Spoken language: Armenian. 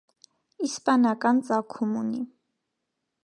Իսպանական ծագում ունի։